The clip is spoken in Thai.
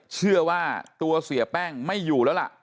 เชื่อว่าตัวเสียแป้งไม่อยู่แล้วล่ะ